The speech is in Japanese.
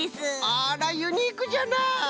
あらユニークじゃな！